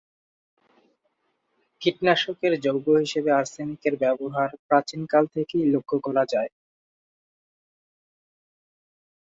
কীটনাশকের যৌগ হিসেবে আর্সেনিকের ব্যবহার প্রাচীনকাল থেকেই লক্ষ্য করা যায়।